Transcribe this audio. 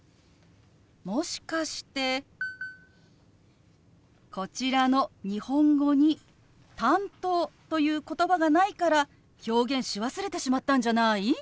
もしかしてこちらの日本語に「担当」という言葉がないから表現し忘れてしまったんじゃない？